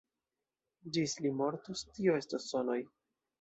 Ĝis li mortos, tio estos sonoj.